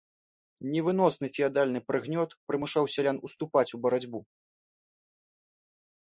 Невыносны феадальны прыгнёт прымушаў сялян ўступаць у барацьбу.